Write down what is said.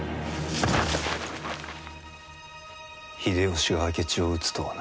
秀吉が明智を討つとはな。